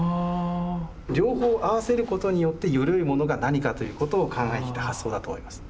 両方合わせることによってよりよいものが何かということを考えてきた発想だと思います。